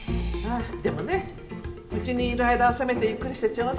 でもねうちにいる間はせめてゆっくりしてちょうだい。